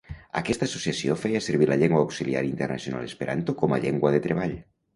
Aquesta associació feia servir la llengua auxiliar internacional esperanto com a llengua de treball.